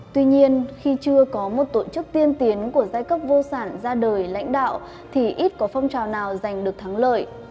tuy nhiên khi chưa có một tổ chức tiên tiến của giai cấp vô sản ra đời lãnh đạo thì ít có phong trào nào giành được thắng lợi